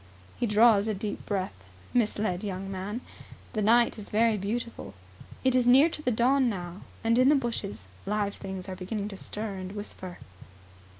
He draws a deep breath, misled young man. The night is very beautiful. It is near to the dawn now and in the bushes live things are beginning to stir and whisper.